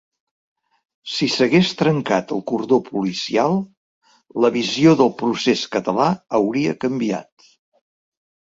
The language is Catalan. Si s’hagués trencat el cordó policial, la visió del procés català hauria canviat.